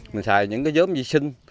mình xài những cái giớm di sinh